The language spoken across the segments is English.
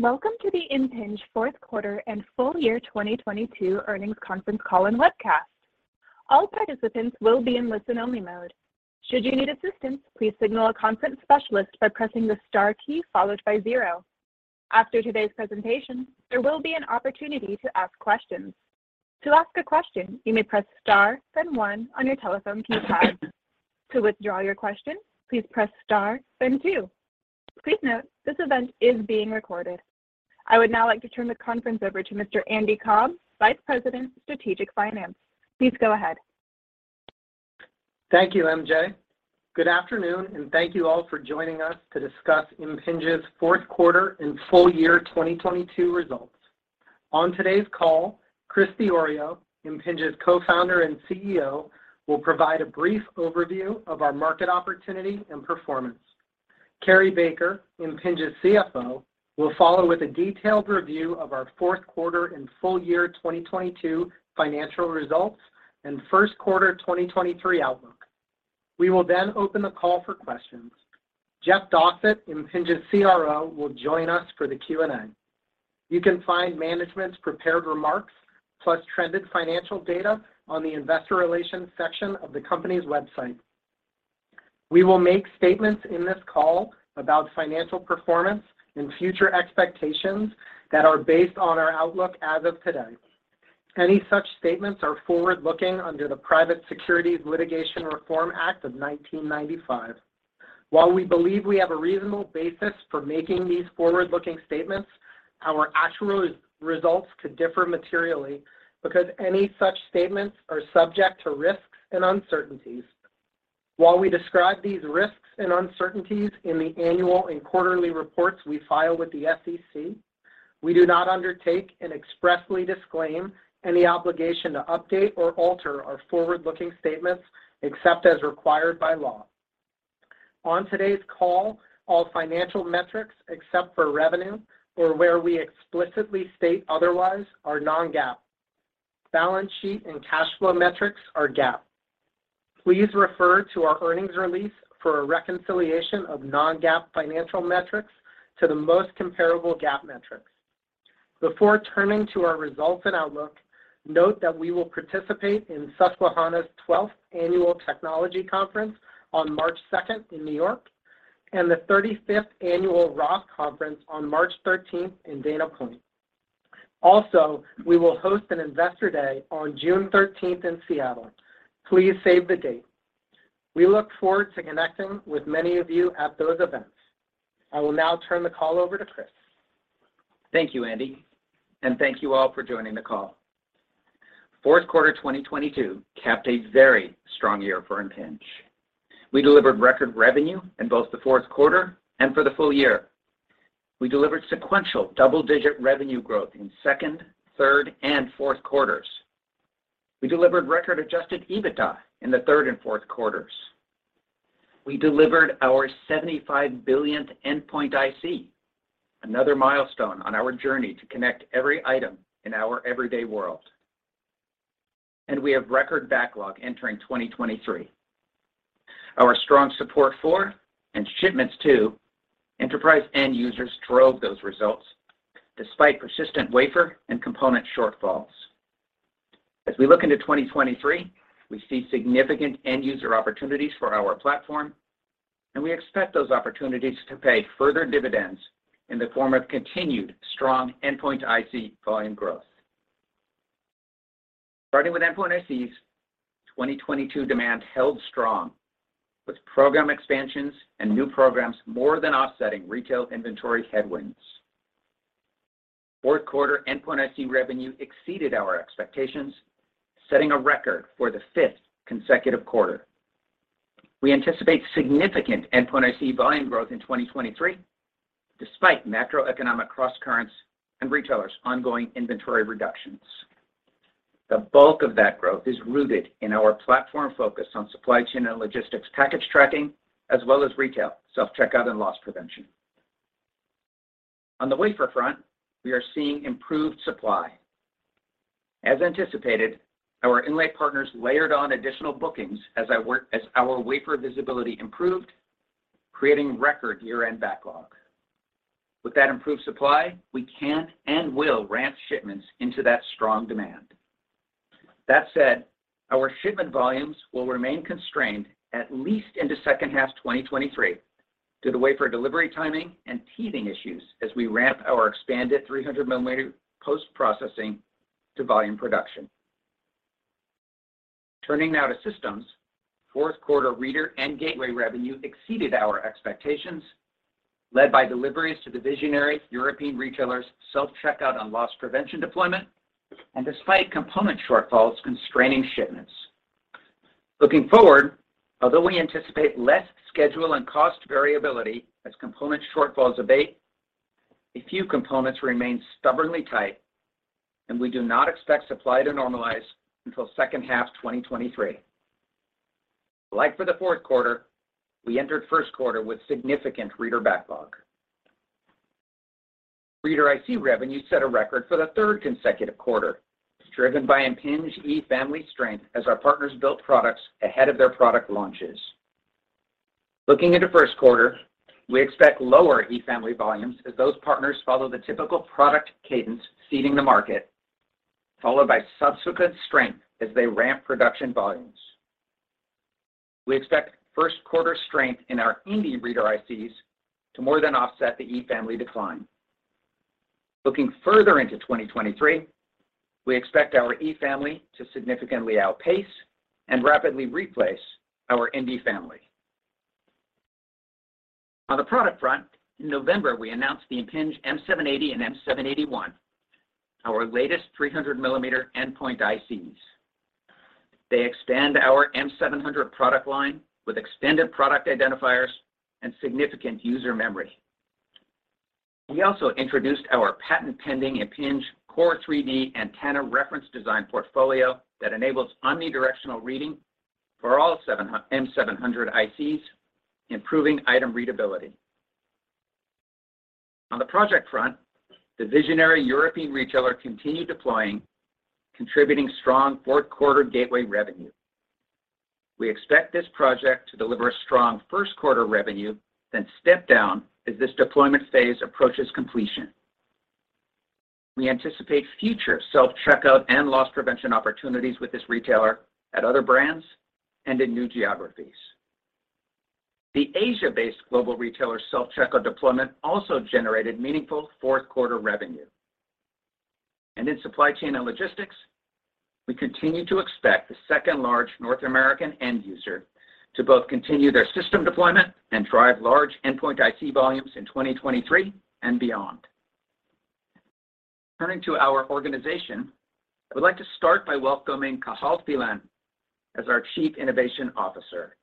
Welcome to the Impinj fourth quarter and full year 2022 earnings conference call and webcast. All participants will be in listen only mode. Should you need assistance, please signal a conference specialist by pressing the star key followed by 0. After today's presentation, there will be an opportunity to ask questions. To ask a question, you may press star, then 1 on your telephone keypad. To withdraw your question, please press star, then 2. Please note, this event is being recorded. I would now like to turn the conference over to Mr. Andy Cobb, Vice President, Strategic Finance. Please go ahead. Thank you, MJ. Good afternoon, and thank you all for joining us to discuss Impinj's fourth quarter and full year 2022 results. On today's call, Chris Diorio, Impinj's Co-Founder and CEO, will provide a brief overview of our market opportunity and performance. Cary Baker, Impinj's CFO, will follow with a detailed review of our fourth quarter and full year 2022 financial results and first quarter 2023 outlook. We will then open the call for questions. Jeff Dossett, Impinj's CRO, will join us for the Q&A. You can find management's prepared remarks plus trended financial data on the investor relations section of the company's website. We will make statements in this call about financial performance and future expectations that are based on our outlook as of today. Any such statements are forward-looking under the Private Securities Litigation Reform Act of 1995. While we believe we have a reasonable basis for making these forward-looking statements, our actual results could differ materially because any such statements are subject to risks and uncertainties. While we describe these risks and uncertainties in the annual and quarterly reports we file with the SEC, we do not undertake and expressly disclaim any obligation to update or alter our forward-looking statements except as required by law. On today's call, all financial metrics, except for revenue or where we explicitly state otherwise, are non-GAAP. Balance sheet and cash flow metrics are GAAP. Please refer to our earnings release for a reconciliation of non-GAAP financial metrics to the most comparable GAAP metrics. Before turning to our results and outlook, note that we will participate in Susquehanna's 12th annual technology conference on March 2nd in New York, and the 35th annual ROTH Conference on March 13th in Dana Point. We will host an Investor Day on June thirteenth in Seattle. Please save the date. We look forward to connecting with many of you at those events. I will now turn the call over to Chris. Thank you, Andy, and thank you all for joining the call. Fourth quarter 2022 capped a very strong year for Impinj. We delivered record revenue in both the fourth quarter and for the full year. We delivered sequential double-digit revenue growth in second, third, and fourth quarters. We delivered record adjusted EBITDA in the third and fourth quarters. We delivered our 75 billionth endpoint IC, another milestone on our journey to connect every item in our everyday world. We have record backlog entering 2023. Our strong support for, and shipments to, enterprise end users drove those results despite persistent wafer and component shortfalls. As we look into 2023, we see significant end user opportunities for our platform, and we expect those opportunities to pay further dividends in the form of continued strong endpoint IC volume growth. Starting with endpoint ICs, 2022 demand held strong with program expansions and new programs more than offsetting retail inventory headwinds. Fourth quarter endpoint IC revenue exceeded our expectations, setting a record for the fifth consecutive quarter. We anticipate significant endpoint IC volume growth in 2023 despite macroeconomic crosscurrents and retailers ongoing inventory reductions. The bulk of that growth is rooted in our platform focus on supply chain and logistics package tracking, as well as retail self-checkout and loss prevention. On the wafer front, we are seeing improved supply. As anticipated, our inlay partners layered on additional bookings as our wafer visibility improved, creating record year-end backlog. With that improved supply, we can and will ramp shipments into that strong demand. That said, our shipment volumes will remain constrained at least into second half 2023 due to wafer delivery timing and teething issues as we ramp our expanded 300mm post-processing to volume production. Turning now to systems, fourth quarter reader and gateway revenue exceeded our expectations, led by deliveries to the visionary European retailers, self-checkout and loss prevention deployment, despite component shortfalls constraining shipments. Looking forward, although we anticipate less schedule and cost variability as component shortfalls abate, a few components remain stubbornly tight. We do not expect supply to normalize until second half 2023. Like for the fourth quarter, we entered first quarter with significant reader backlog. Reader IC revenue set a record for the third consecutive quarter, driven by Impinj E family strength as our partners built products ahead of their product launches. Looking into first quarter, we expect lower E family volumes as those partners follow the typical product cadence seeding the market, followed by subsequent strength as they ramp production volumes. We expect first quarter strength in our Indy reader ICs to more than offset the E family decline. Looking further into 2023, we expect our E family to significantly outpace and rapidly replace our Indy family. On the product front, in November, we announced the Impinj M780 and M781, our latest 300mm endpoint ICs. They extend our M700 product line with extended product identifiers and significant user memory. We also introduced our patent-pending Impinj Core3D antenna reference design portfolio that enables omnidirectional reading for all M700 ICs, improving item readability. On the project front, the visionary European retailer continued deploying, contributing strong fourth quarter gateway revenue. We expect this project to deliver strong first quarter revenue, then step down as this deployment phase approaches completion. We anticipate future self-checkout and loss prevention opportunities with this retailer at other brands and in new geographies. The Asia-based global retailer self-checkout deployment also generated meaningful fourth quarter revenue. In supply chain and logistics, we continue to expect the second large North American end user to both continue their system deployment and drive large endpoint IC volumes in 2023 and beyond. Turning to our organization, I would like to start by welcoming Cathal Phelan as our Chief Innovation Officer.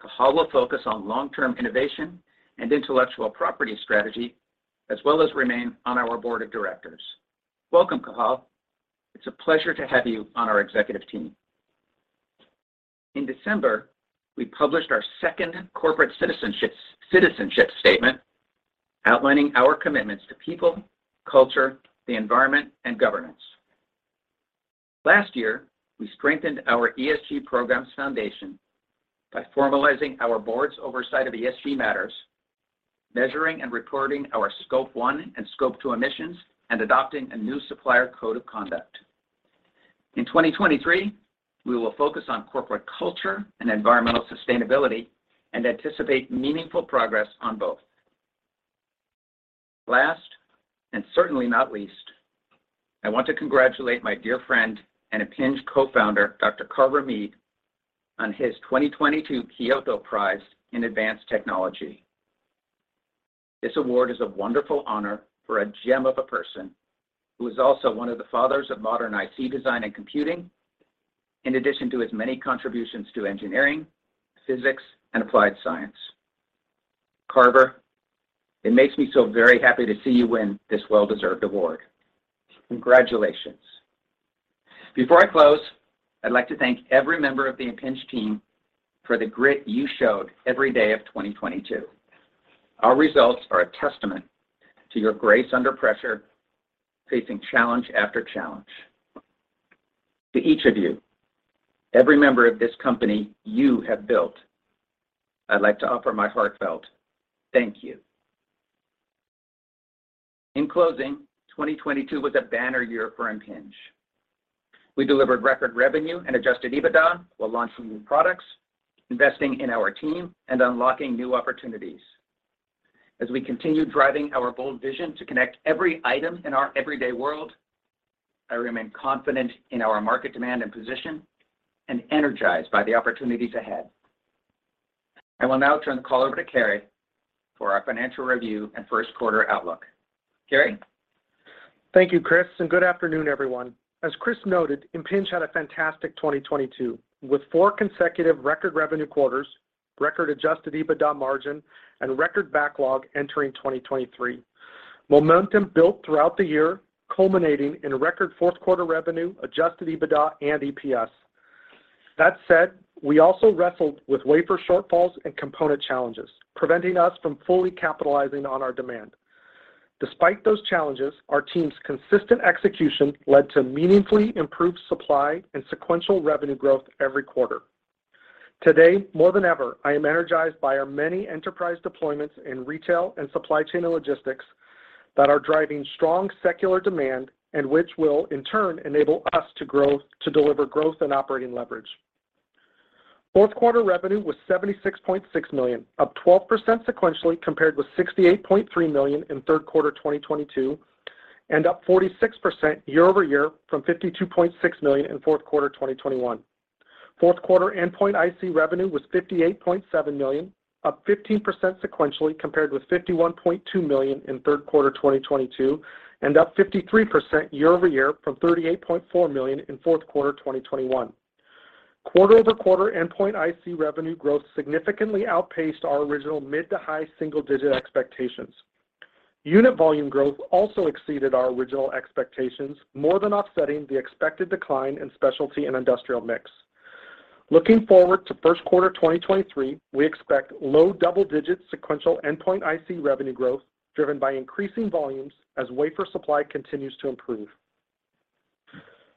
Cathal will focus on long-term innovation and intellectual property strategy as well as remain on our board of directors. Welcome, Cathal. It's a pleasure to have you on our executive team. In December, we published our second corporate citizenship statement outlining our commitments to people, culture, the environment, and governance. Last year, we strengthened our ESG program's foundation by formalizing our board's oversight of ESG matters, measuring and reporting our Scope 1 and Scope 2 emissions, and adopting a new supplier code of conduct. In 2023, we will focus on corporate culture and environmental sustainability and anticipate meaningful progress on both. Last, certainly not least, I want to congratulate my dear friend and Impinj co-founder, Dr. Carver Mead, on his 2022 Kyoto Prize in Advanced Technology. This award is a wonderful honor for a gem of a person who is also one of the fathers of modern IC design and computing, in addition to his many contributions to engineering, physics, and applied science. Carver, it makes me so very happy to see you win this well-deserved award. Congratulations. Before I close, I'd like to thank every member of the Impinj team for the grit you showed every day of 2022. Our results are a testament to your grace under pressure, facing challenge after challenge. To each of you, every member of this company you have built, I'd like to offer my heartfelt thank you. In closing, 2022 was a banner year for Impinj. We delivered record revenue and adjusted EBITDA while launching new products, investing in our team, and unlocking new opportunities. As we continue driving our bold vision to connect every item in our everyday world, I remain confident in our market demand and position and energized by the opportunities ahead. I will now turn the call over to Cary for our financial review and first quarter outlook. Cary? Thank you, Chris, and good afternoon, everyone. As Chris noted, Impinj had a fantastic 2022, with four consecutive record revenue quarters, record adjusted EBITDA margin, and record backlog entering 2023. Momentum built throughout the year, culminating in a record fourth quarter revenue, adjusted EBITDA and EPS. That said, we also wrestled with wafer shortfalls and component challenges, preventing us from fully capitalizing on our demand. Despite those challenges, our team's consistent execution led to meaningfully improved supply and sequential revenue growth every quarter. Today, more than ever, I am energized by our many enterprise deployments in retail and supply chain and logistics that are driving strong secular demand and which will, in turn, enable us to deliver growth and operating leverage. Fourth quarter revenue was $76.6 million, up 12% sequentially compared with $68.3 million in third quarter 2022, and up 46% year-over-year from $52.6 million in fourth quarter 2021. Fourth quarter endpoint IC revenue was $58.7 million, up 15% sequentially compared with $51.2 million in third quarter 2022, and up 53% year-over-year from $38.4 million in fourth quarter 2021. Quarter-over-quarter endpoint IC revenue growth significantly outpaced our original mid to high single-digit expectations. Unit volume growth also exceeded our original expectations, more than offsetting the expected decline in specialty and industrial mix. Looking forward to first quarter 2023, we expect low double-digit sequential endpoint IC revenue growth driven by increasing volumes as wafer supply continues to improve.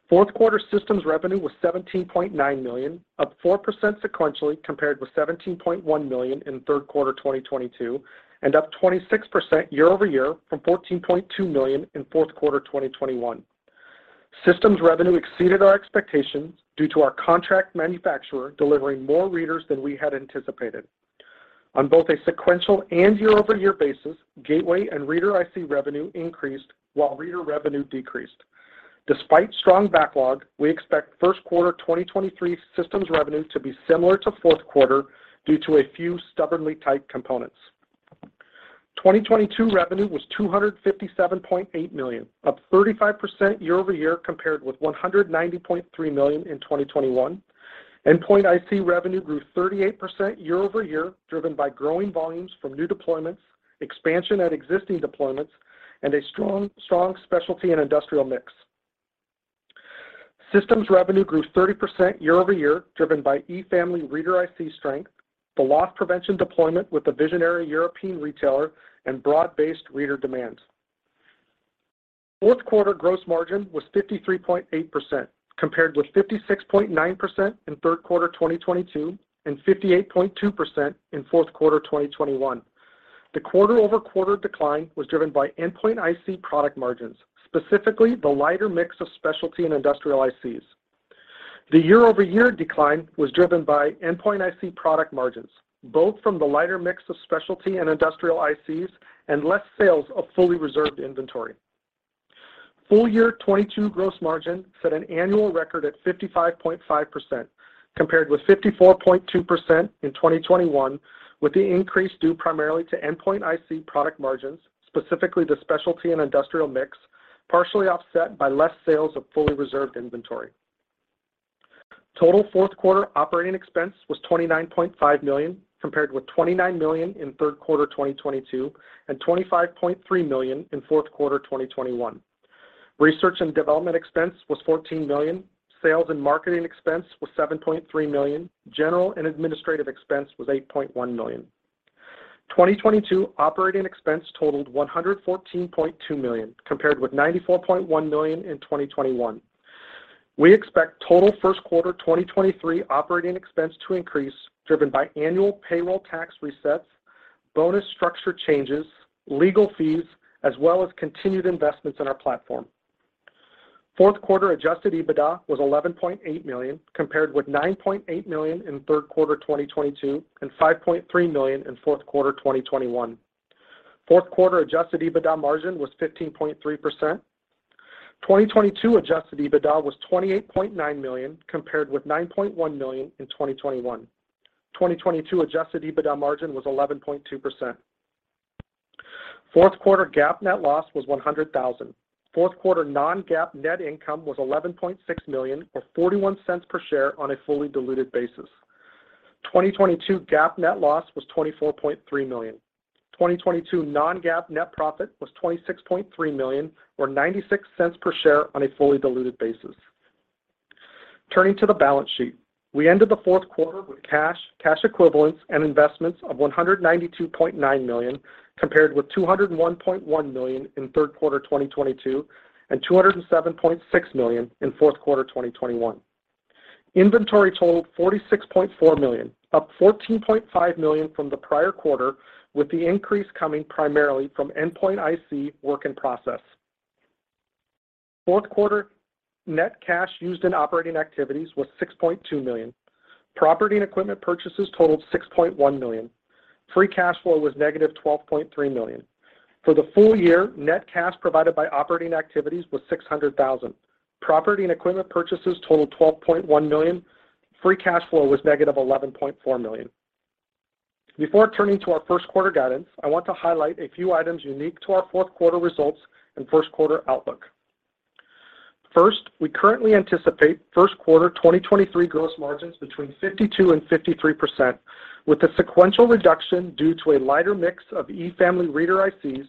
Fourth quarter systems revenue was $17.9 million, up 4% sequentially compared with $17.1 million in third quarter 2022, and up 26% year-over-year from $14.2 million in fourth quarter 2021. Systems revenue exceeded our expectations due to our contract manufacturer delivering more readers than we had anticipated. On both a sequential and year-over-year basis, gateway and reader IC revenue increased while reader revenue decreased. Despite strong backlog, we expect first quarter 2023 systems revenue to be similar to fourth quarter due to a few stubbornly tight components. 2022 revenue was $257.8 million, up 35% year-over-year compared with $190.3 million in 2021. Endpoint IC revenue grew 38% year-over-year, driven by growing volumes from new deployments, expansion at existing deployments, and a strong specialty and industrial mix. Systems revenue grew 30% year-over-year, driven by E family reader IC strength, the loss prevention deployment with the visionary European retailer, and broad-based reader demand. Fourth quarter gross margin was 53.8%, compared with 56.9% in third quarter 2022 and 58.2% in fourth quarter 2021. The quarter-over-quarter decline was driven by endpoint IC product margins, specifically the lighter mix of specialty and industrial ICs. The year-over-year decline was driven by endpoint IC product margins, both from the lighter mix of specialty and industrial ICs and less sales of fully reserved inventory. Full year 2022 gross margin set an annual record at 55.5%, compared with 54.2% in 2021, with the increase due primarily to endpoint IC product margins, specifically the specialty and industrial mix, partially offset by less sales of fully reserved inventory. Total fourth quarter operating expense was $29.5 million, compared with $29 million in third quarter 2022 and $25.3 million in fourth quarter 2021. Research and development expense was $14 million. Sales and marketing expense was $7.3 million. General and administrative expense was $8.1 million. 2022 operating expense totaled $114.2 million, compared with $94.1 million in 2021. We expect total first quarter 2023 operating expense to increase, driven by annual payroll tax resets, bonus structure changes, legal fees, as well as continued investments in our platform. Fourth quarter adjusted EBITDA was $11.8 million, compared with $9.8 million in third quarter 2022 and $5.3 million in fourth quarter 2021. Fourth quarter adjusted EBITDA margin was 15.3%. 2022 adjusted EBITDA was $28.9 million, compared with $9.1 million in 2021. 2022 adjusted EBITDA margin was 11.2%. Fourth quarter GAAP net loss was $100,000. Fourth quarter non-GAAP net income was $11.6 million, or $0.41 per share on a fully diluted basis. 2022 GAAP net loss was $24.3 million. 2022 non-GAAP net profit was $26.3 million, or $0.96 per share on a fully diluted basis. Turning to the balance sheet, we ended the fourth quarter with cash equivalents, and investments of $192.9 million, compared with $201.1 million in third quarter 2022 and $207.6 million in fourth quarter 2021. Inventory totaled $46.4 million, up $14.5 million from the prior quarter, with the increase coming primarily from endpoint IC work in process. Fourth quarter net cash used in operating activities was $6.2 million. Property and equipment purchases totaled $6.1 million. Free cash flow was negative $12.3 million. For the full year, net cash provided by operating activities was $600,000. Property and equipment purchases totaled $12.1 million. Free cash flow was negative $11.4 million. Before turning to our first quarter guidance, I want to highlight a few items unique to our fourth quarter results and first quarter outlook. First, we currently anticipate first quarter 2023 gross margins between 52%-53%, with a sequential reduction due to a lighter mix of E family reader ICs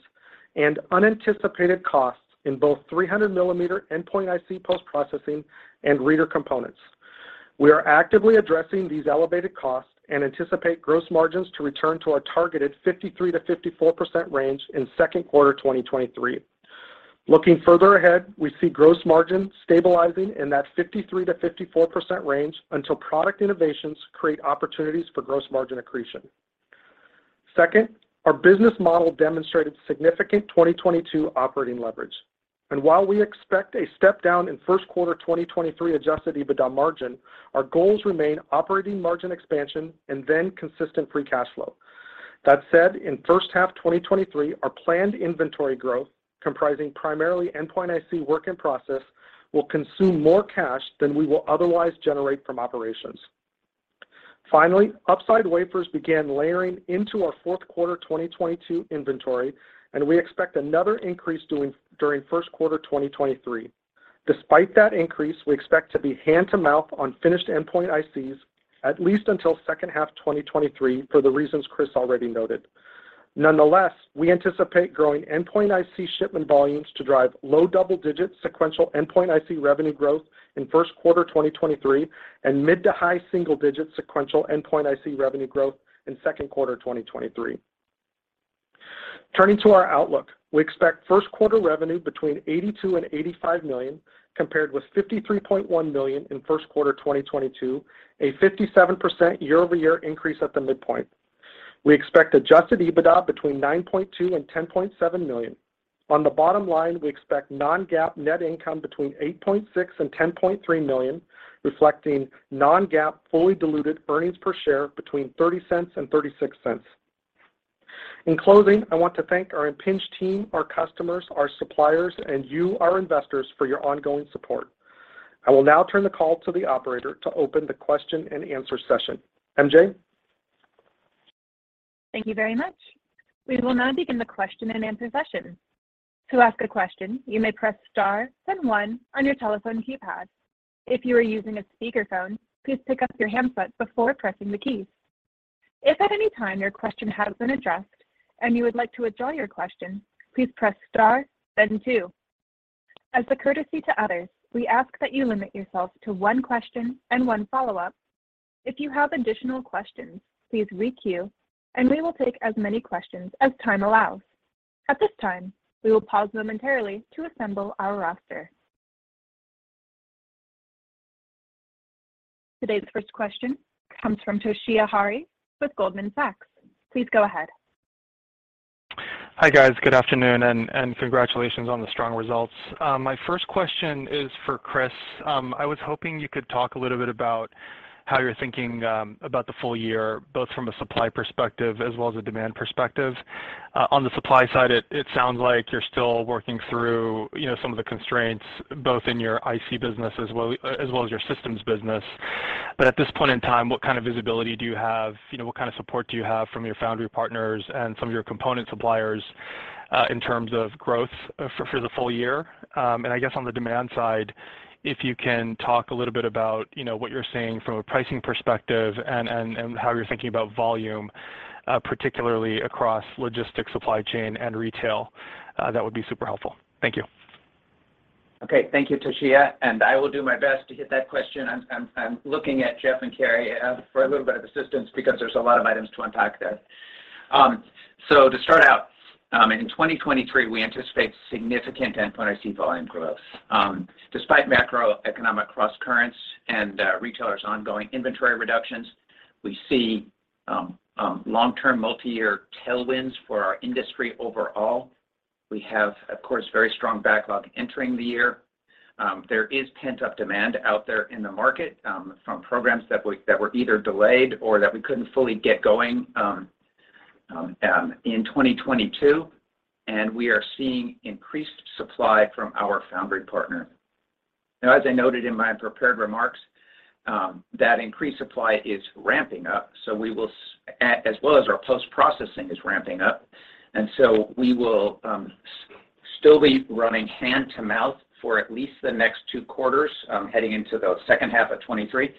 and unanticipated costs in both 300mm endpoint IC post-processing and reader components. We are actively addressing these elevated costs and anticipate gross margins to return to our targeted 53%-54% range in second quarter 2023. Looking further ahead, we see gross margin stabilizing in that 53%-54% range until product innovations create opportunities for gross margin accretion. Second, our business model demonstrated significant 2022 operating leverage. While we expect a step down in first quarter 2023 adjusted EBITDA margin, our goals remain operating margin expansion and then consistent free cash flow. That said, in first half 2023, our planned inventory growth, comprising primarily endpoint IC work in process, will consume more cash than we will otherwise generate from operations. Finally, upside wafers began layering into our fourth quarter 2022 inventory, and we expect another increase during first quarter 2023. Despite that increase, we expect to be hand to mouth on finished endpoint ICs at least until second half 2023 for the reasons Chris already noted. Nonetheless, we anticipate growing endpoint IC shipment volumes to drive low double-digit sequential endpoint IC revenue growth in first quarter 2023 and mid to high single-digit sequential endpoint IC revenue growth in second quarter 2023. Turning to our outlook, we expect first quarter revenue between $82 million and $85 million, compared with $53.1 million in first quarter 2022, a 57% year-over-year increase at the midpoint. We expect adjusted EBITDA between $9.2 million and $10.7 million. On the bottom line, we expect non-GAAP net income between $8.6 million and $10.3 million, reflecting non-GAAP fully diluted earnings per share between $0.30 and $0.36. In closing, I want to thank our Impinj team, our customers, our suppliers, and you, our investors, for your ongoing support. I will now turn the call to the operator to open the question-and-answer session. MJ? Thank you very much. We will now begin the question-and-answer session. To ask a question, you may press star then one on your telephone keypad. If you are using a speakerphone, please pick up your handset before pressing the keys. If at any time your question has been addressed and you would like to withdraw your question, please press star then two. As a courtesy to others, we ask that you limit yourself to one question and one follow-up. If you have additional questions, please re-queue, and we will take as many questions as time allows. At this time, we will pause momentarily to assemble our roster. Today's first question comes from Toshiya Hari with Goldman Sachs. Please go ahead. Hi, guys. Good afternoon and congratulations on the strong results. My first question is for Chris. I was hoping you could talk a little bit about how you're thinking about the full year, both from a supply perspective as well as a demand perspective. On the supply side, it sounds like you're still working through, you know, some of the constraints both in your IC business as well as your systems business. At this point in time, what kind of visibility do you have? You know, what kind of support do you have from your foundry partners and some of your component suppliers, in terms of growth for the full year? I guess on the demand side, if you can talk a little bit about, you know, what you're seeing from a pricing perspective and how you're thinking about volume, particularly across logistics, supply chain, and retail, that would be super helpful. Thank you. Okay. Thank you, Toshiya. I will do my best to hit that question. I'm looking at Jeff and Cary for a little bit of assistance because there's a lot of items to unpack there. To start out, in 2023, we anticipate significant endpoint IC volume growth. Despite macroeconomic crosscurrents and retailers' ongoing inventory reductions, we see long-term multiyear tailwinds for our industry overall. We have, of course, very strong backlog entering the year. There is pent-up demand out there in the market from programs that were either delayed or that we couldn't fully get going in 2022. We are seeing increased supply from our foundry partner. As I noted in my prepared remarks, that increased supply is ramping up, so we will as well as our post-processing is ramping up. We will still be running hand to mouth for at least the next two quarters, heading into the second half of 2023,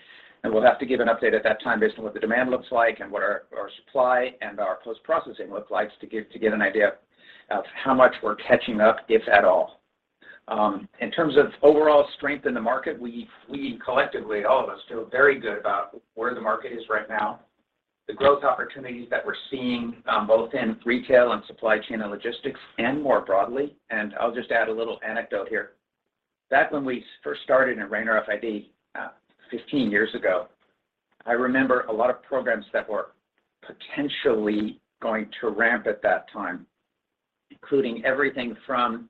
and we'll have to give an update at that time based on what the demand looks like and what our supply and our post-processing looks like to give, to get an idea of how much we're catching up, if at all. In terms of overall strength in the market, we collectively, all of us, feel very good about where the market is right now, the growth opportunities that we're seeing, both in retail and supply chain and logistics and more broadly. I'll just add a little anecdote here. Back when we first started at RAIN RFID, 15 years ago, I remember a lot of programs that were potentially going to ramp at that time, including everything from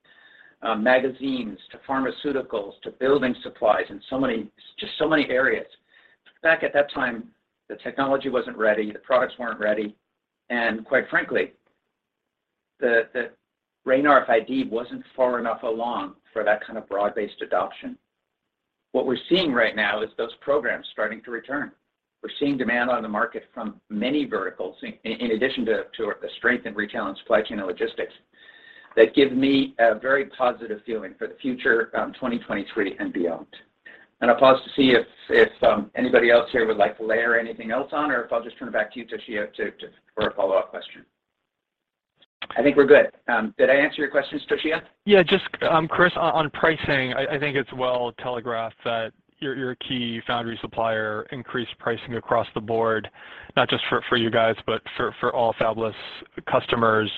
magazines, to pharmaceuticals, to building supplies, and so many, just so many areas. Back at that time, the technology wasn't ready, the products weren't ready, and quite frankly, the RAIN RFID wasn't far enough along for that kind of broad-based adoption. What we're seeing right now is those programs starting to return. We're seeing demand on the market from many verticals in addition to the strength in retail and supply chain and logistics that give me a very positive feeling for the future, 2023 and beyond. I'll pause to see if anybody else here would like to layer anything else on, or if I'll just turn it back to you, Toshiya, for a follow-up question. I think we're good. Did I answer your questions, Toshiya? Yeah, just Chris, on pricing, I think it's well telegraphed that your key foundry supplier increased pricing across the board, not just for you guys, but for all fabless customers.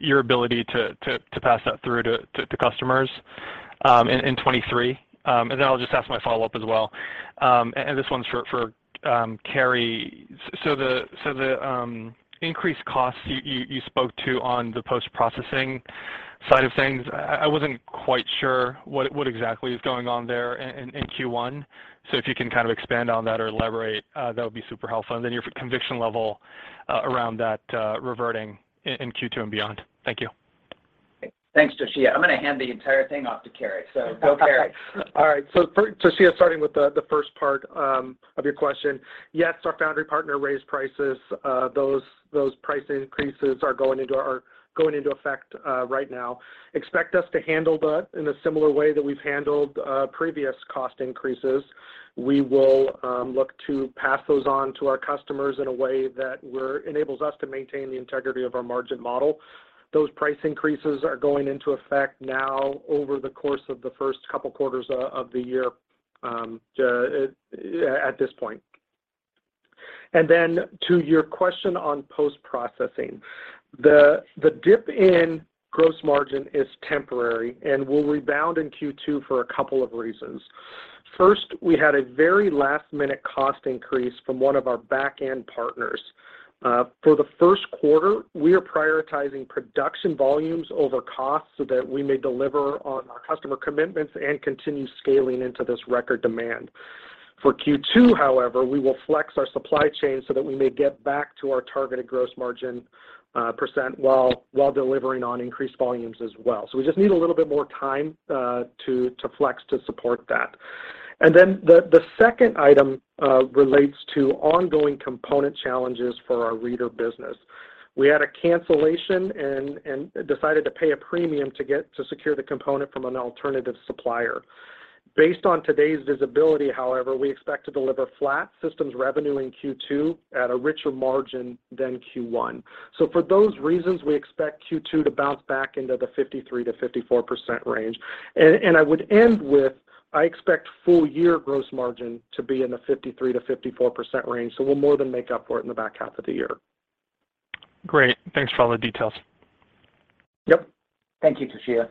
Your ability to pass that through to customers in 23. I'll just ask my follow-up as well. This one's for Cary. The increased costs you spoke to on the post-processing side of things, I wasn't quite sure what exactly is going on there in Q1. If you can kind of expand on that or elaborate, that would be super helpful. Your conviction level around that reverting in Q2 and beyond. Thank you. Thanks, Toshiya. I'm gonna hand the entire thing off to Cary. Go, Cary. All right. For Toshiya, starting with the first part of your question. Yes, our foundry partner raised prices. Those price increases are going into effect right now. Expect us to handle that in a similar way that we've handled previous cost increases. We will look to pass those on to our customers in a way that enables us to maintain the integrity of our margin model. Those price increases are going into effect now over the course of the first couple quarters of the year at this point. To your question on post-processing, the dip in gross margin is temporary and will rebound in Q2 for a couple of reasons. First, we had a very last-minute cost increase from one of our back-end partners. For the first quarter, we are prioritizing production volumes over cost so that we may deliver on our customer commitments and continue scaling into this record demand. For Q2, however, we will flex our supply chain so that we may get back to our targeted gross margin percent while delivering on increased volumes as well. We just need a little bit more time to flex to support that. The second item relates to ongoing component challenges for our reader business. We had a cancellation and decided to pay a premium to secure the component from an alternative supplier. Based on today's visibility, however, we expect to deliver flat systems revenue in Q2 at a richer margin than Q1. For those reasons, we expect Q2 to bounce back into the 53%-54% range. I would end with, I expect full year gross margin to be in the 53%-54% range, so we'll more than make up for it in the back half of the year. Great. Thanks for all the details. Yep. Thank you, Toshia.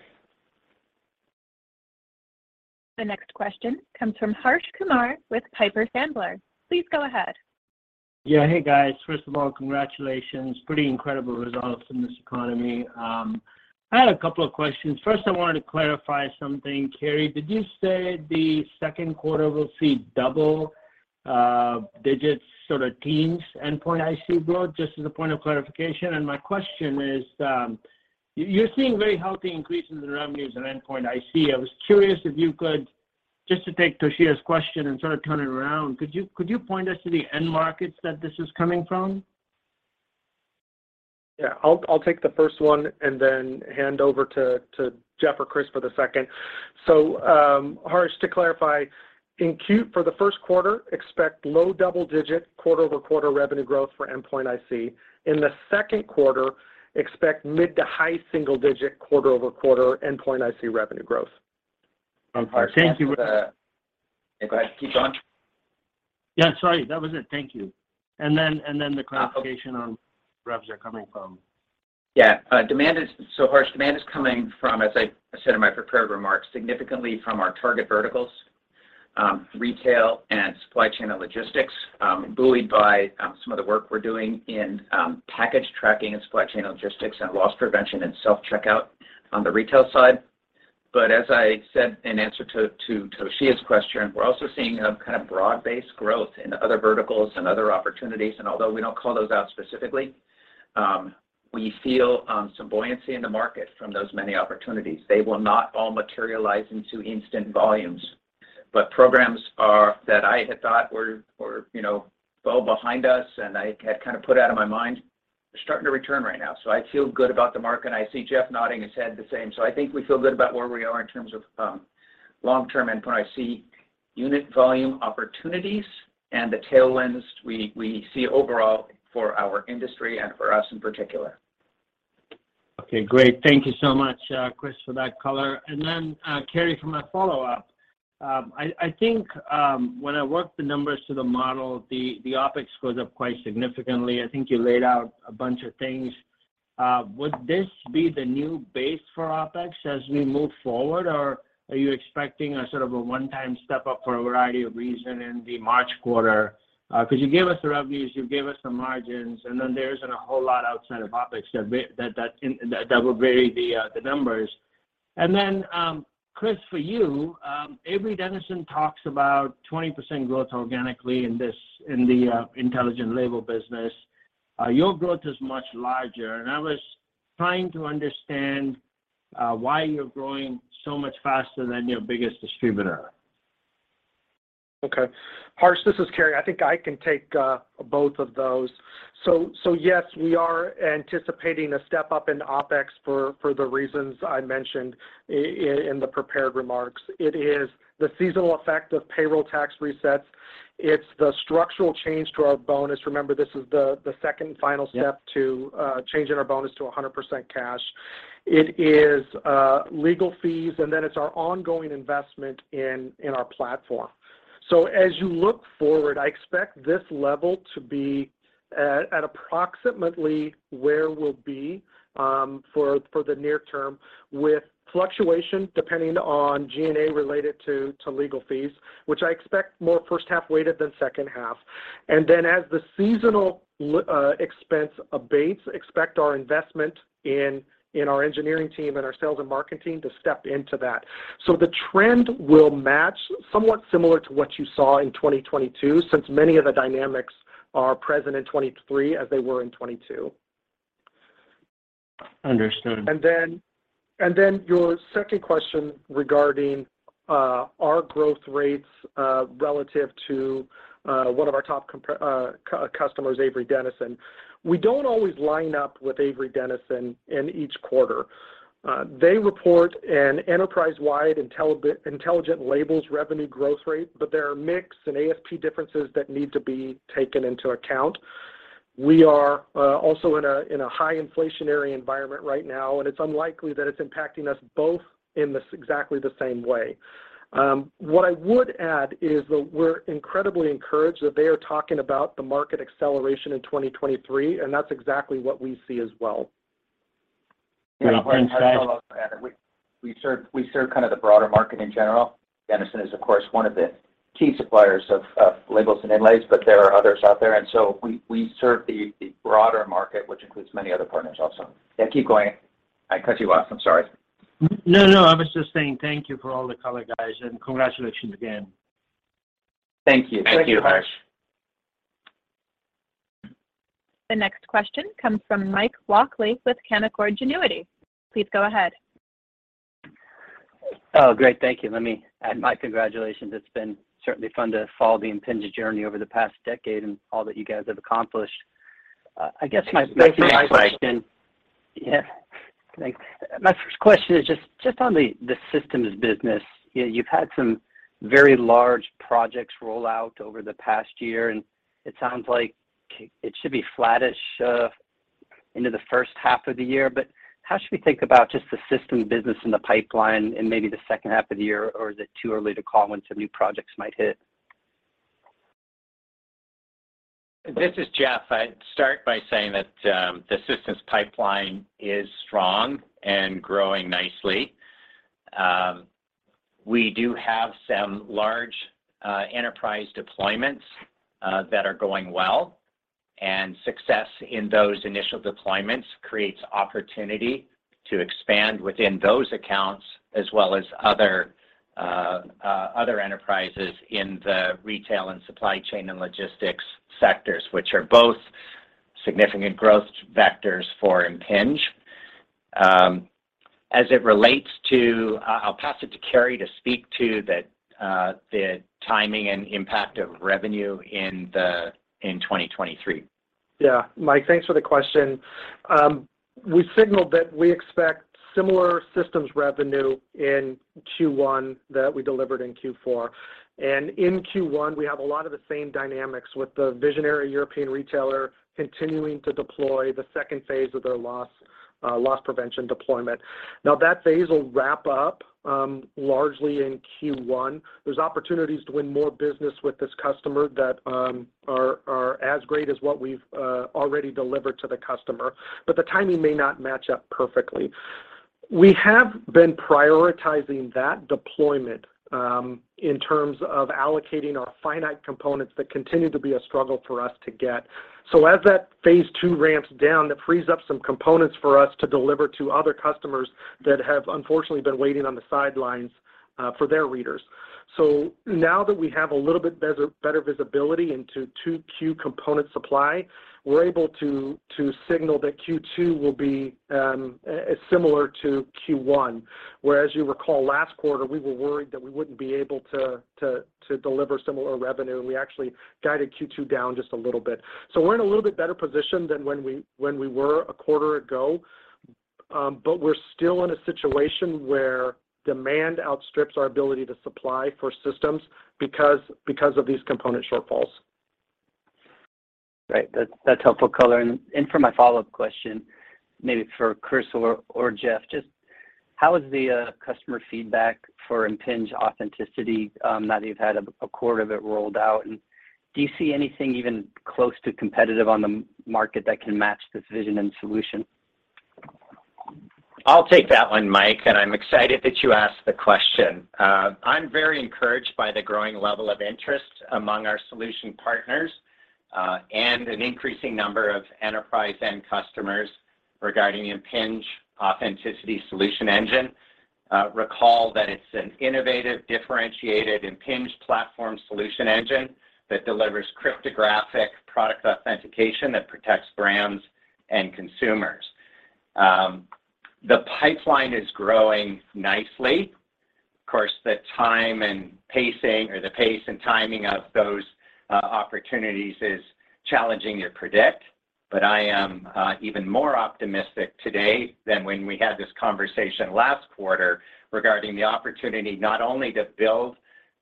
The next question comes from Harsh Kumar with Piper Sandler. Please go ahead. Yeah. Hey, guys. First of all, congratulations. Pretty incredible results in this economy. I had a couple of questions. First, I wanted to clarify something. Cary, did you say the second quarter will see double-digits sort of teens endpoint IC growth, just as a point of clarification? My question is, you're seeing very healthy increases in revenues in endpoint IC. I was curious if you could, just to take Toshiya's question and sort of turn it around, could you point us to the end markets that this is coming from? Yeah. I'll take the first one and then hand over to Jeff or Chris for the second. Harsh, to clarify, for the first quarter, expect low double-digit quarter-over-quarter revenue growth for endpoint IC. In the second quarter, expect mid to high single-digit quarter-over-quarter EndpointIC revenue growth. Thank you. Go ahead. Keep going. Yeah, sorry. That was it. Thank you. The clarification on where revs are coming from. Harsh, demand is coming from, as I said in my prepared remarks, significantly from our target verticals, retail and supply chain logistics, buoyed by some of the work we're doing in package tracking and supply chain logistics and loss prevention and self-checkout on the retail side. As I said in answer to Toshiya's question, we're also seeing a kind of broad-based growth in other verticals and other opportunities, and although we don't call those out specifically, we feel some buoyancy in the market from those many opportunities. They will not all materialize into instant volumes. Programs that I had thought were, you know, well behind us and I had kind of put out of my mind, they're starting to return right now. I feel good about the market, and I see Jeff nodding his head the same. I think we feel good about where we are in terms of long-term endpoint IC unit volume opportunities and the tailwinds we see overall for our industry and for us in particular. Okay, great. Thank you so much, Chris, for that color. Cary, for my follow-up, I think when I worked the numbers to the model, the OpEx goes up quite significantly. I think you laid out a bunch of things. Would this be the new base for OpEx as we move forward? Or are you expecting a sort of a one-time step-up for a variety of reason in the March quarter? 'Cause you gave us the revenues, you gave us the margins, and then there isn't a whole lot outside of OpEx that will vary the numbers. Chris, for you, Avery Dennison talks about 20% growth organically in this, in the intelligent label business. Your growth is much larger. I was trying to understand why you're growing so much faster than your biggest distributor. Okay. Harsh, this is Cary. I think I can take both of those. Yes, we are anticipating a step up in OpEx for the reasons I mentioned in the prepared remarks. It is the seasonal effect of payroll tax resets. It's the structural change to our bonus. Remember, this is the second final step- Yeah.... to changing our bonus to 100% cash. It is legal fees, then it's our ongoing investment in our platform. As you look forward, I expect this level to be at approximately where we'll be for the near term with fluctuation depending on G&A related to legal fees, which I expect more first half weighted than second half. Then as the seasonal expense abates, expect our investment in our engineering team and our sales and marketing to step into that. The trend will match somewhat similar to what you saw in 2022, since many of the dynamics are present in 2023 as they were in 2022. Understood. Your second question regarding our growth rates relative to one of our top customers, Avery Dennison. We don't always line up with Avery Dennison in each quarter. They report an enterprise-wide intelligent labels revenue growth rate, there are mix and ASP differences that need to be taken into account. We are also in a high inflationary environment right now, and it's unlikely that it's impacting us both in this exactly the same way. What I would add is that we're incredibly encouraged that they are talking about the market acceleration in 2023, and that's exactly what we see as well. Great. Thanks, guys. Yeah. We serve kind of the broader market in general. Dennison, is of course, one of the key suppliers of labels [in their place] but there are others out there. And so we serve the broader market, which includes many other partners also. And keep going. I cut you off, I'm sorry. No, no, no. I was just saying thank you for all the color guys, and congratulations again. Thank you. Thank you, Harsh. The next question comes from Mike Walkley with Canaccord Genuity. Please go ahead. Great. Thank you. Let me add my congratulations. It's been certainly fun to follow the Impinj journey over the past decade and all that you guys have accomplished. Thank you, Mike. Yeah. Thanks. My first question is just on the systems business. You know, you've had some very large projects roll out over the past year, and it sounds like it should be flattish into the first half of the year. How should we think about just the systems business in the pipeline in maybe the second half of the year, or is it too early to call when some new projects might hit? This is Jeff. I'd start by saying that the systems pipeline is strong and growing nicely. We do have some large enterprise deployments that are going well, and success in those initial deployments creates opportunity to expand within those accounts as well as other enterprises in the retail and supply chain and logistics sectors, which are both significant growth vectors for Impinj. As it relates to... I'll pass it to Cary to speak to the timing and impact of revenue in 2023. Yeah. Mike, thanks for the question. We signaled that we expect similar systems revenue in Q1 that we delivered in Q4. In Q1, we have a lot of the same dynamics with the visionary European retailer continuing to deploy the second phase of their loss prevention deployment. That phase will wrap up largely in Q1. There's opportunities to win more business with this customer that are as great as what we've already delivered to the customer, but the timing may not match up perfectly. We have been prioritizing that deployment in terms of allocating our finite components that continue to be a struggle for us to get. As that phase 2 ramps down, that frees up some components for us to deliver to other customers that have unfortunately been waiting on the sidelines for their readers. Now that we have a little bit better visibility into 2Q component supply, we're able to signal that Q2 will be similar to Q1, whereas you recall last quarter, we were worried that we wouldn't be able to deliver similar revenue, and we actually guided Q2 down just a little bit. We're in a little bit better position than when we were a quarter ago, but we're still in a situation where demand outstrips our ability to supply for systems because of these component shortfalls. Great. That's helpful color. For my follow-up question, maybe for Chris or Jeff, just how is the customer feedback for Impinj Authenticity, now you've had a quarter of it rolled out? Do you see anything even close to competitive on the market that can match this vision and solution? I'll take that one, Mike, I'm excited that you asked the question. I'm very encouraged by the growing level of interest among our solution partners, and an increasing number of enterprise end customers regarding Impinj Authenticity solution engine. Recall that it's an innovative, differentiated Impinj platform solution engine that delivers cryptographic product authentication that protects brands and consumers. The pipeline is growing nicely. Of course, the time and pacing or the pace and timing of those opportunities is challenging to predict, but I am even more optimistic today than when we had this conversation last quarter regarding the opportunity not only to build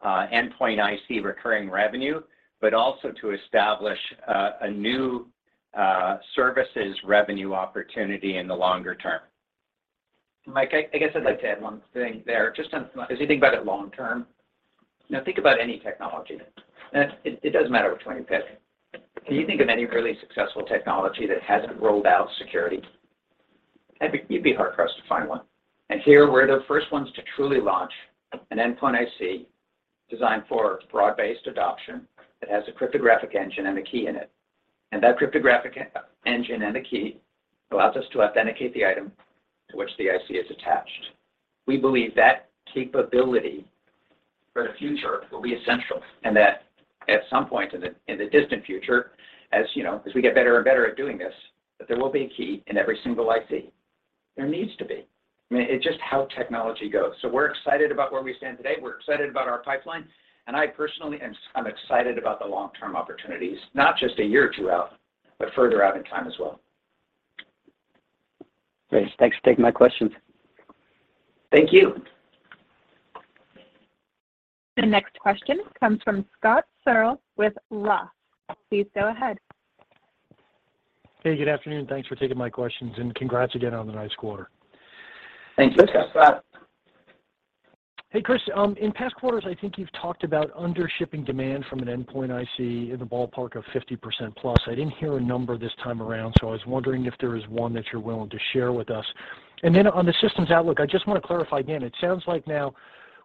endpoint IC recurring revenue, but also to establish a new services revenue opportunity in the longer term. Mike, I guess I'd like to add one thing there just as you think about it long term. Now think about any technology. It doesn't matter which one you pick. Can you think of any really successful technology that hasn't rolled out security? You'd be hard-pressed to find one. Here, we're the first ones to truly launch an endpoint IC designed for broad-based adoption that has a cryptographic engine and a key in it. That cryptographic engine and a key allows us to authenticate the item to which the IC is attached. We believe that capability for the future will be essential, and that at some point in the distant future, as, you know, as we get better and better at doing this, that there will be a key in every single IC. There needs to be. I mean, it's just how technology goes. We're excited about where we stand today, we're excited about our pipeline, and I personally am excited about the long-term opportunities, not just a year or two out, but further out in time as well. Great. Thanks for taking my questions. Thank you. The next question comes from Scott Searle with Roth. Please go ahead. Hey, good afternoon. Thanks for taking my questions, and congrats again on the nice quarter. Thanks, Scott. Hey, Chris. In past quarters, I think you've talked about under shipping demand from an endpoint IC in the ballpark of 50% plus. I didn't hear a number this time around, so I was wondering if there is one that you're willing to share with us. On the systems outlook, I just wanna clarify again. It sounds like now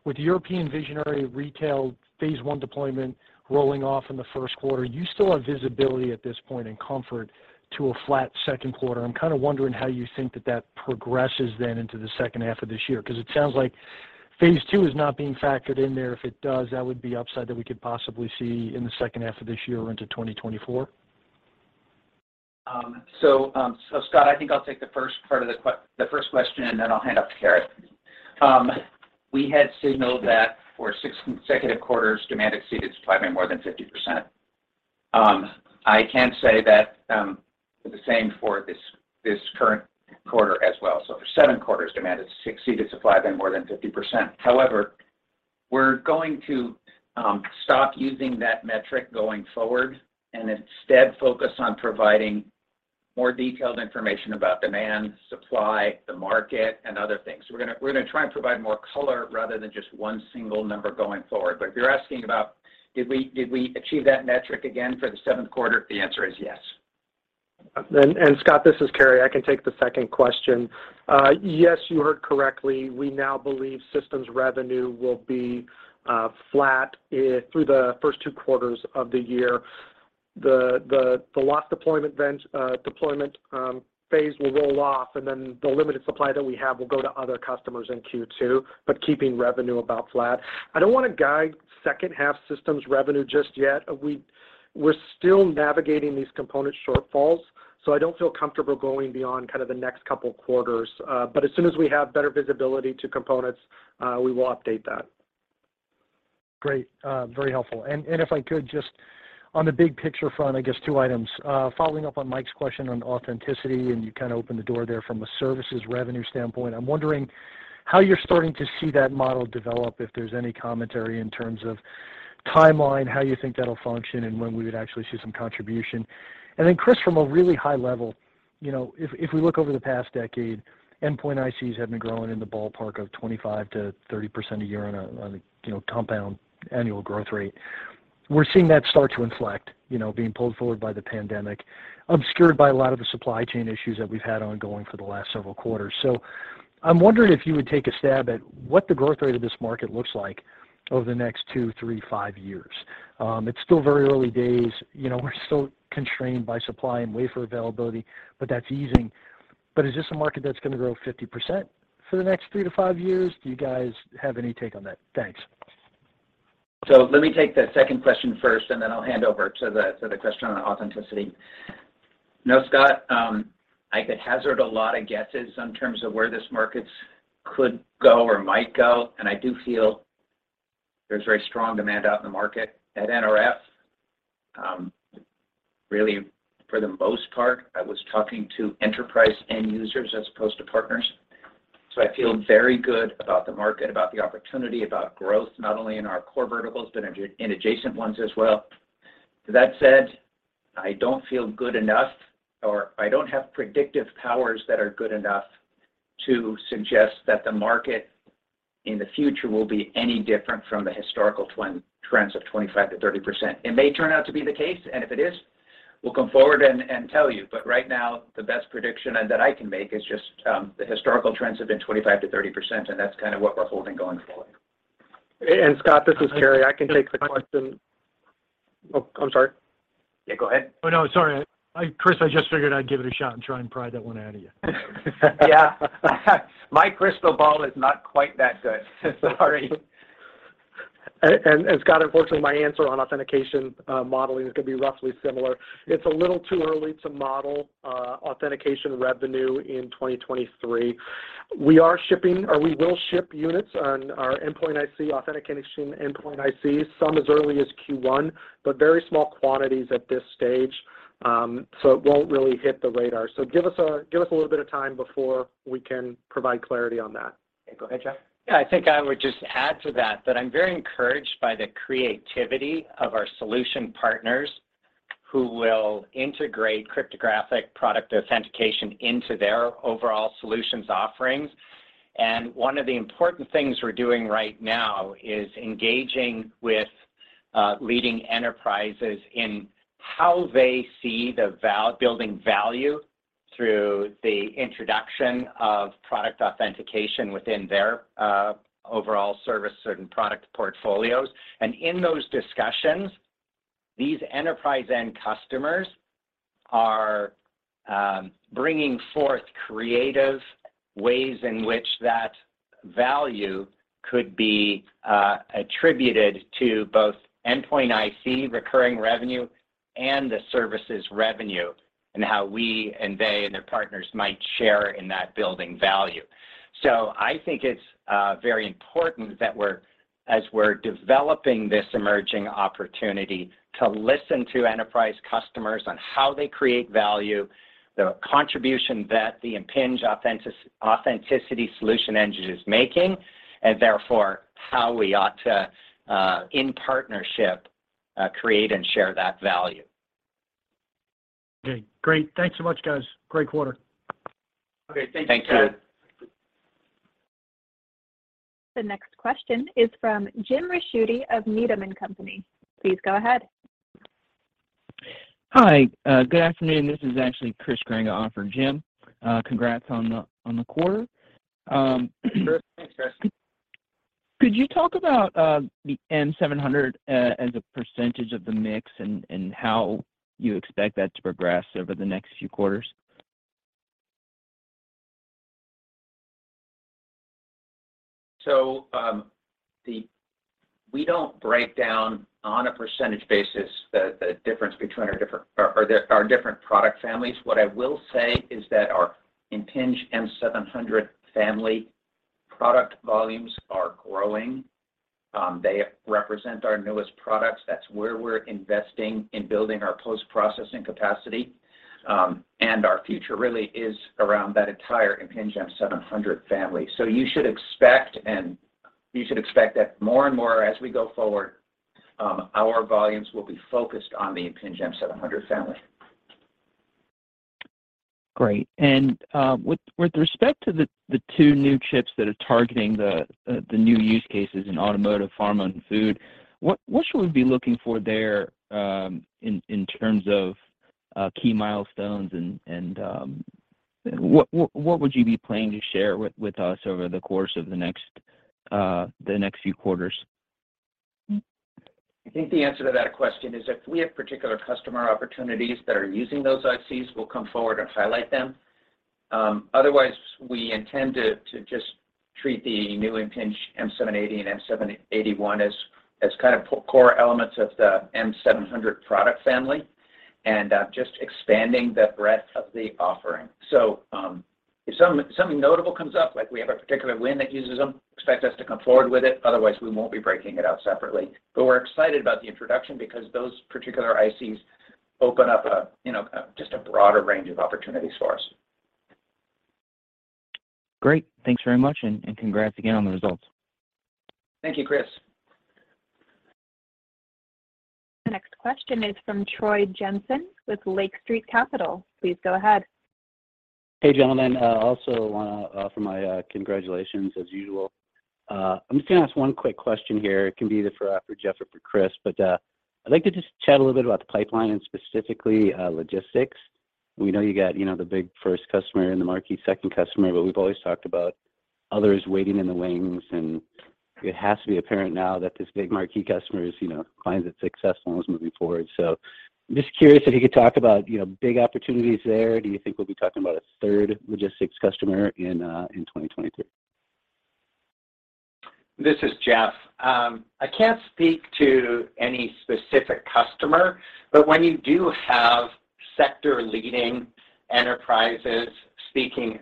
with European visionary retail phase 1 deployment rolling off in the first quarter, you still have visibility at this point and comfort to a flat second quarter. I'm kinda wondering how you think that that progresses then into the second half of this year 'cause it sounds like phase 2 is not being factored in there. If it does, that would be upside that we could possibly see in the second half of this year or into 2024? Scott, I think I'll take the first part of the first question, and then I'll hand off to Cary. We had signaled that for six consecutive quarters, demand exceeded supply by more than 50%. I can say that the same for this current quarter as well. For seven quarters, demand has exceeded supply by more than 50%. However, we're going to stop using that metric going forward and instead focus on providing more detailed information about demand, supply, the market, and other things. We're gonna try and provide more color rather than just one single number going forward. If you're asking about did we, did we achieve that metric again for the seventh quarter? The answer is yes. Scott, this is Cary. I can take the second question. Yes, you heard correctly. We now believe systems revenue will be flat through the first two quarters of the year. The loss deployment phase will roll off, and then the limited supply that we have will go to other customers in Q2, but keeping revenue about flat. I don't wanna guide second half systems revenue just yet. We're still navigating these component shortfalls, so I don't feel comfortable going beyond kind of the next couple quarters. As soon as we have better visibility to components, we will update that. Great. Very helpful. If I could just on the big picture front, I guess two items. Following up on Mike's question on authenticity, and you kinda opened the door there from a services revenue standpoint, I'm wondering how you're starting to see that model develop, if there's any commentary in terms of timeline, how you think that'll function, and when we would actually see some contribution? Then, Chris, from a really high level, you know, if we look over the past decade, endpoint ICs have been growing in the ballpark of 25%-30% a year on a, you know, compound annual growth rate. We're seeing that start to inflect, you know, being pulled forward by the pandemic, obscured by a lot of the supply chain issues that we've had ongoing for the last several quarters. I'm wondering if you would take a stab at what the growth rate of this market looks like over the next two, three, five years. It's still very early days. You know, we're still constrained by supply and wafer availability, but that's easing. Is this a market that's gonna grow 50% for the next 3-5 years? Do you guys have any take on that? Thanks. Let me take the second question first. I'll hand over to the question on authenticity. No, Scott. I could hazard a lot of guesses in terms of where this market could go or might go. I do feel there's very strong demand out in the market at NRF. Really for the most part, I was talking to enterprise end users as opposed to partners. I feel very good about the market, about the opportunity, about growth, not only in our core verticals, but in adjacent ones as well. That said, I don't feel good enough, or I don't have predictive powers that are good enough to suggest that the market in the future will be any different from the historical trends of 25% to 30%. It may turn out to be the case, and if it is, we'll come forward and tell you. Right now, the best prediction that I can make is just the historical trends have been 25% to 30%, and that's kind of what we're holding going forward. Scott, this is Cary. I can take the question. Oh, I'm sorry. Yeah, go ahead. Oh, no. Sorry. I, Chris, I just figured I'd give it a shot and try and pry that one out of you. Yeah. My crystal ball is not quite that good. Sorry. Scott, unfortunately, my answer on authentication modeling is gonna be roughly similar. It's a little too early to model authentication revenue in 2023. We are shipping, or we will ship units on our endpoint IC, authentication endpoint IC, some as early as Q1, but very small quantities at this stage, so it won't really hit the radar. Give us a little bit of time before we can provide clarity on that. Go ahead, Jeff. Yeah. I think I would just add to that I'm very encouraged by the creativity of our solution partners, who will integrate cryptographic product authentication into their overall solutions offerings. One of the important things we're doing right now is engaging with leading enterprises in how they see building value through the introduction of product authentication within their overall service and product portfolios. In those discussions, these enterprise end customers are bringing forth creative ways in which that value could be attributed to both endpoint IC recurring revenue and the services revenue and how we and they and their partners might share in that building value. I think it's very important that we're, as we're developing this emerging opportunity, to listen to enterprise customers on how they create value, the contribution that the Impinj Authenticity Solution Engine is making, and therefore how we ought to, in partnership, create and share that value. Okay, great. Thanks so much, guys. Great quarter. Okay, thank you. Thanks, Ted. The next question is from Jim Ricchiuti of Needham & Company. Please go ahead. Hi, good afternoon. This is actually Chris Grenga offering Jim. Congrats on the quarter. Sure. Thanks, Chris. Could you talk about the M700 as a percentage of the mix and how you expect that to progress over the next few quarters? We don't break down on a percentage basis the difference between our different product families. What I will say is that our Impinj M700 family product volumes are growing. They represent our newest products. That's where we're investing in building our post-processing capacity. Our future really is around that entire Impinj M700 family. You should expect that more and more as we go forward, our volumes will be focused on the Impinj M700 family. Great. With respect to the two new chips that are targeting the new use cases in automotive, pharma, and food, what should we be looking for there, in terms of key milestones? What would you be planning to share with us over the course of the next few quarters? I think the answer to that question is that we have particular customer opportunities that are using those ICs will come forward and highlight them. Otherwise, we intend to just treat the new Impinj M780 and M781 as kind of core elements of the M700 product family, and just expanding the breadth of the offering. If something notable comes up, like we have a particular win that uses them, expect us to come forward with it. Otherwise, we won't be breaking it out separately. We're excited about the introduction because those particular ICs open up a, you know, just a broader range of opportunities for us. Great. Thanks very much, and congrats again on the results. Thank you, Chris. The next question is from Troy Jensen with Lake Street Capital. Please go ahead. Hey, gentlemen. also wanna offer my congratulations as usual. I'm just gonna ask one quick question here. It can be either for Jeff or for Chris. I'd like to just chat a little bit about the pipeline and specifically logistics. We know you got, you know, the big first customer and the marquee second customer, but we've always talked about others waiting in the wings, and it has to be apparent now that this big marquee customer is, you know, finds it successful and is moving forward. I'm just curious if you could talk about, you know, big opportunities there. Do you think we'll be talking about a third logistics customer in 2023? This is Jeff. I can't speak to any specific customer, but when you do have sector-leading enterprises speaking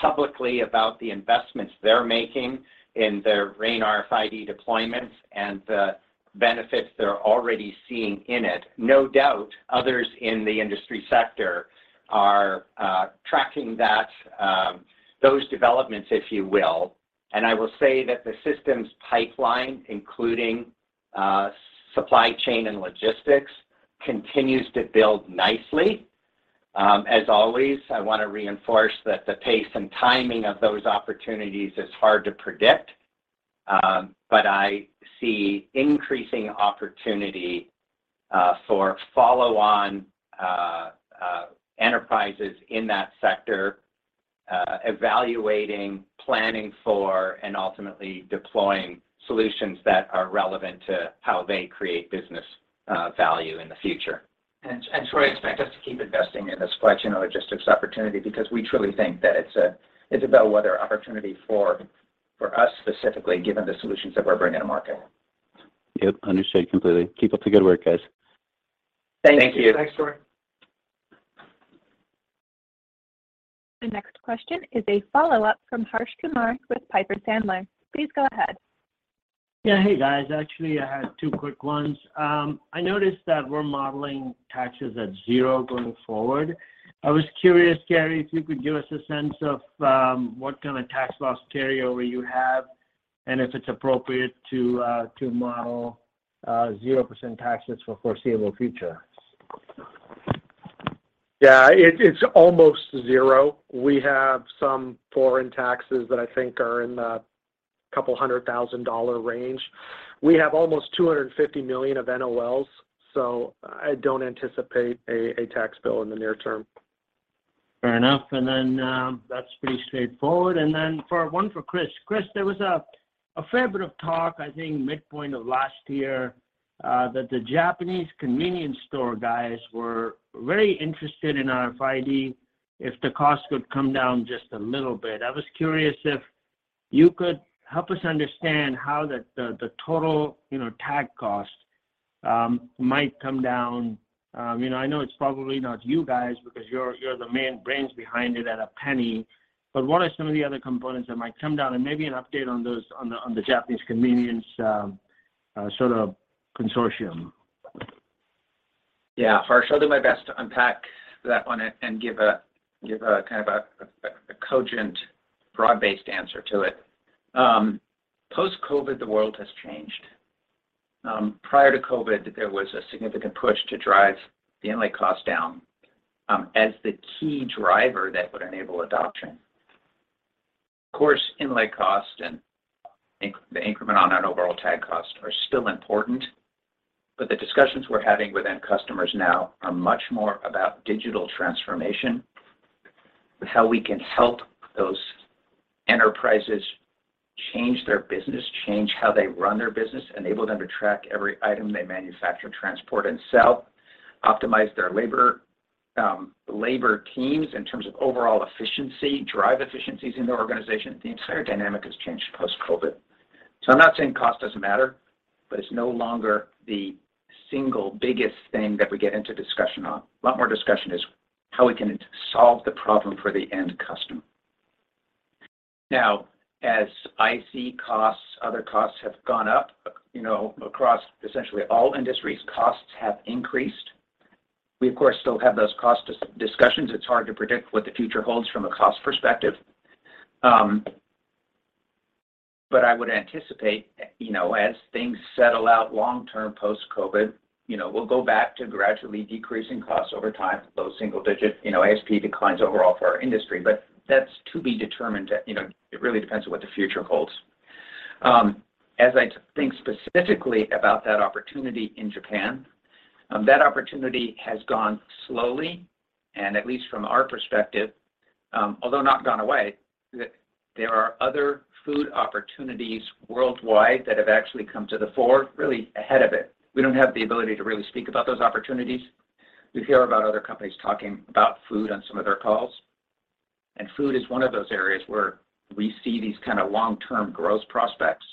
publicly about the investments they're making in their RAIN RFID deployments and the benefits they're already seeing in it, no doubt others in the industry sector are tracking that those developments, if you will. I will say that the systems pipeline, including supply chain and logistics, continues to build nicely. As always, I wanna reinforce that the pace and timing of those opportunities is hard to predict. But I see increasing opportunity for follow-on enterprises in that sector evaluating, planning for, and ultimately deploying solutions that are relevant to how they create business value in the future. Troy, expect us to keep investing in the supply chain and logistics opportunity because we truly think that it's a bellwether opportunity for us specifically, given the solutions that we're bringing to market. Yep. Understand completely. Keep up the good work, guys. Thank you. Thanks. Thanks, Troy. The next question is a follow-up from Harsh Kumar with Piper Sandler. Please go ahead. Yeah. Hey, guys. Actually, I had two quick ones. I noticed that we're modeling taxes at zero going forward. I was curious, Cary, if you could give us a sense of, what kind of tax loss carry-over you have and if it's appropriate to model zero percent taxes for the foreseeable future. Yeah. It's almost zero. We have some foreign taxes that I think are in the couple hundred thousand dollar range. We have almost $250 million of NOLs. I don't anticipate a tax bill in the near term. Fair enough. That's pretty straightforward. And then one for Chris. Chris, there was a fair bit of talk, I think, midpoint of last year, that the Japanese convenience store guys were very interested in RFID if the cost could come down just a little bit. I was curious if you could help us understand how the total, you know, tag cost might come down. You know, I know it's probably not you guys because you're the main brains behind it at a penny. What are some of the other components that might come down? Maybe an update on those, on the Japanese convenience sort of consortium. Yeah. Harsh, I'll do my best to unpack that one and give a cogent, broad-based answer to it. Post-COVID, the world has changed. Prior to COVID, there was a significant push to drive the inlay cost down as the key driver that would enable adoption. Of course, inlay cost and the increment on our overall tag cost are still important, the discussions we're having with end customers now are much more about digital transformation, with how we can help those enterprises change their business, change how they run their business, enable them to track every item they manufacture, transport, and sell, optimize their labor teams in terms of overall efficiency, drive efficiencies in the organization. The entire dynamic has changed post-COVID. I'm not saying cost doesn't matter, but it's no longer the single biggest thing that we get into discussion on. A lot more discussion is how we can solve the problem for the end customer. As IC costs, other costs have gone up, you know, across essentially all industries, costs have increased. We of course still have those cost discussions. It's hard to predict what the future holds from a cost perspective. I would anticipate, you know, as things settle out long-term post-COVID, you know, we'll go back to gradually decreasing costs over time, low single digit, you know, ASP declines overall for our industry, but that's to be determined. It really depends on what the future holds. As I think specifically about that opportunity in Japan, that opportunity has gone slowly, and at least from our perspective, although not gone away, there are other food opportunities worldwide that have actually come to the fore really ahead of it. We don't have the ability to really speak about those opportunities. We hear about other companies talking about food on some of their calls, and food is one of those areas where we see these kind of long-term growth prospects.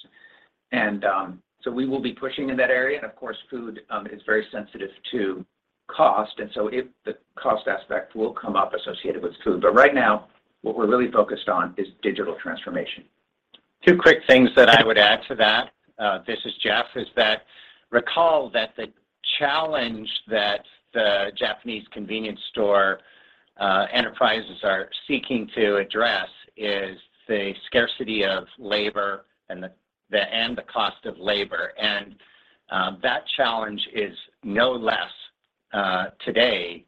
So we will be pushing in that area, and of course, food is very sensitive to cost. If the cost aspect will come up associated with food. Right now, what we're really focused on is digital transformation. Two quick things that I would add to that, this is Jeff, is that recall that the challenge that the Japanese convenience store enterprises are seeking to address is the scarcity of labor and the cost of labor. That challenge is no less today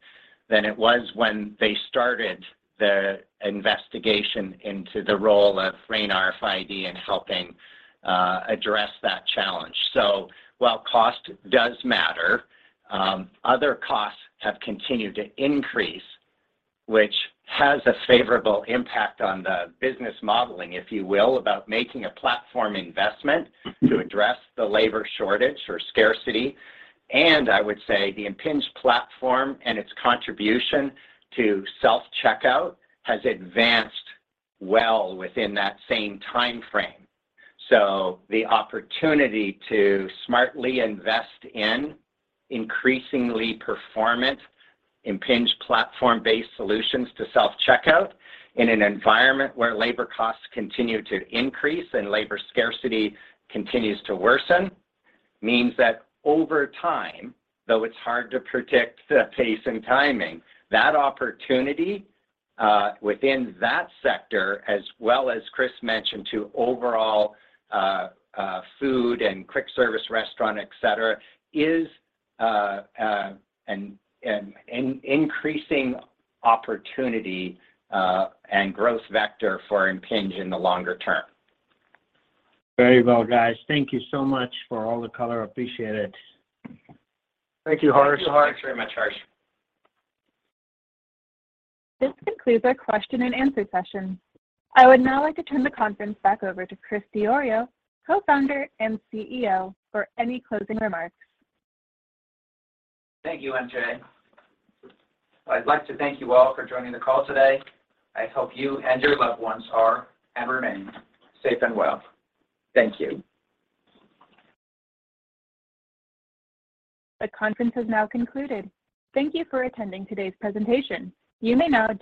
than it was when they started the investigation into the role of RAIN RFID in helping address that challenge. While cost does matter, other costs have continued to increase, which has a favorable impact on the business modeling, if you will, about making a platform investment to address the labor shortage or scarcity. I would say the Impinj platform and its contribution to self-checkout has advanced well within that same time frame. The opportunity to smartly invest in increasingly performant Impinj platform-based solutions to self-checkout in an environment where labor costs continue to increase and labor scarcity continues to worsen means that over time, though it's hard to predict the pace and timing, that opportunity, within that sector, as well as Chris mentioned to overall, food and quick service restaurant, et cetera, is an increasing opportunity and growth vector for Impinj in the longer term. Very well, guys. Thank you so much for all the color. Appreciate it. Thank you, Harsh. Thank you very much, Harsh. This concludes our question and answer session. I would now like to turn the conference back over to Chris Diorio, Co-founder and CEO, for any closing remarks. Thank you, MJ. I'd like to thank you all for joining the call today. I hope you and your loved ones are, and remain, safe and well. Thank you. The conference has now concluded. Thank you for attending today's presentation. You may now dis-.